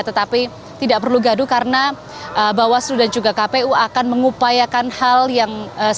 tetapi tidak perlu gaduh karena bawaslu dan juga kpu akan mengupayakan hal yang berbeda